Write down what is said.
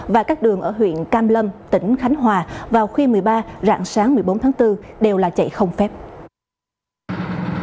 và các đường ở huyện cam lâm tỉnh khánh hòa vào khuya một mươi ba rạng sáng một mươi bốn tháng bốn đều là chạy không phép